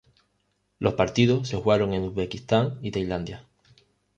Los partidos se jugaron en Uzbekistán y Tailandia.